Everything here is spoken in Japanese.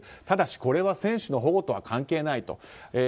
ただしこれは選手の保護とは関係ないと。